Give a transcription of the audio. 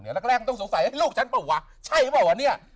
แล้วก็แรกต้องสงสัยลูกฉันเปล่าวะใช่เปล่าวะเนี่ย